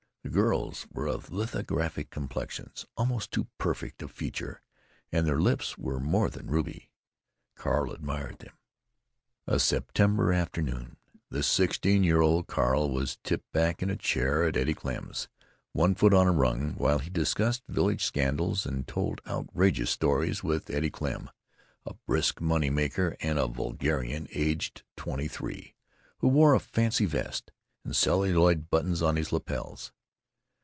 The girls were of lithographic complexions, almost too perfect of feature, and their lips were more than ruby. Carl admired them. A September afternoon. The sixteen year old Carl was tipped back in a chair at Eddie Klemm's, one foot on a rung, while he discussed village scandals and told outrageous stories with Eddie Klemm, a brisk money maker and vulgarian aged twenty three, who wore a "fancy vest" and celluloid buttons on his lapels.